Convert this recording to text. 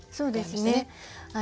そうですね。